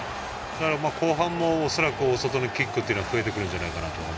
後半も恐らく大外のキックは増えてくるんじゃないかなと。